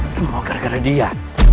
semua gara gara dia